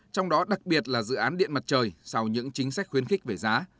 trong đó đặc biệt là dự án điện mặt trời sau những chính sách khuyến khích về giá